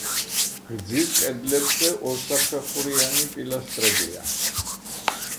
გრძივ კედლებზე ორსაფეხურიანი პილასტრებია.